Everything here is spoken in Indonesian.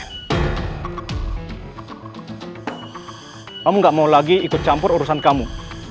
kamu gak mau lagi ikut campur urusan kamu